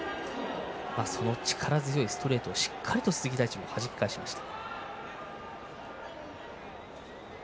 その力強いストレートをしっかり鈴木大地もはじき返しました。